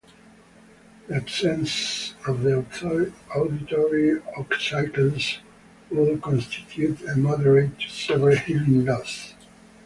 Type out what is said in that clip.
The absence of the auditory ossicles would constitute a moderate-to-severe hearing loss.